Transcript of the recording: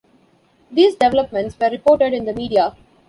These developments were reported in the media.